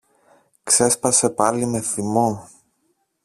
ξέσπασε πάλι με θυμό.